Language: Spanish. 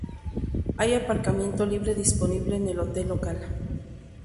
Hay aparcamiento libre disponible en el hotel local.